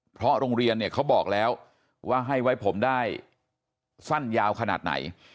เพราะโรงเรียนเนี่ยเขาบอกแล้วว่าให้ไว้ผมได้สั้นยาวขนาดไหน